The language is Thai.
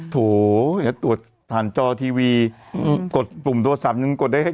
โถเนี้ยตรวจทานจอทีวีอืมกดปุ่มโทรซับยังกดได้แค่